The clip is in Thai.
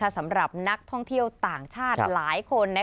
สำหรับนักท่องเที่ยวต่างชาติหลายคน